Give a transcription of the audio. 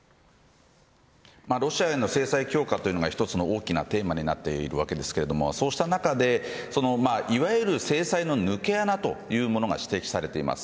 ロシアへの制裁強化が一つの大きなテーマになっているわけですがそうした中でいわゆる制裁の抜け穴というものが指摘されています。